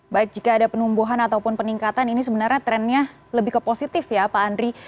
baik jika ada penumbuhan ataupun peningkatan ini sebenarnya trennya lebih ke positif ya pak andri